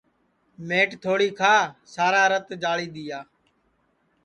مئٹ تھوڑی کھا سارا رَت جاݪی دؔیا